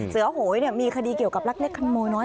เสือโหยเนี่ยมีคดีเกี่ยวกับรักเน็ตขนโมยน้อย